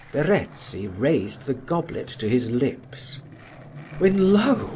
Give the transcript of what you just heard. Verezzi raised the goblet to his lips when, lo!